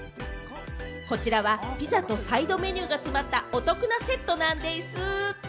こちらはピザとサイドメニューが詰まったお得なセットなんでぃす！